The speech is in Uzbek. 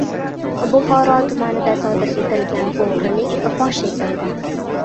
Buxoro tumanida sodir etilgan o‘g‘rilik fosh etildi